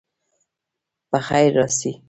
په خیر راسئ.